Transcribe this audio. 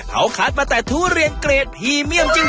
เขาคัดมาแต่ทุเรียนเกรดพรีเมียมจริง